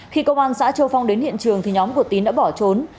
khi công an xã châu phong đến hiện trường thì nhóm của tín đã bỏ trốn